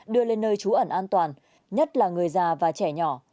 đưa lên nơi trú ẩn an toàn nhất là người già và trẻ nhỏ